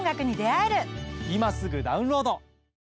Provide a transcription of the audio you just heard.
今すぐダウンロード！